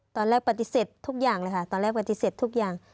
ตอนแรกปฏิเสธทุกอย่างเลยค่ะตอนแรกปฏิเสธทุกอย่าง